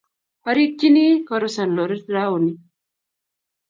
arikikyini korusan lorit raoni.